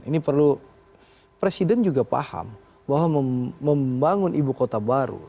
ini perlu presiden juga paham bahwa membangun ibu kota baru